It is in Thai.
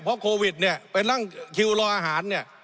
เพราะโควิดเนี่ยไปนั่งคิวรออาหารเนี่ย